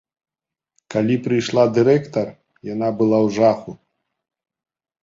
Калі прыйшла дырэктар, яна была ў жаху.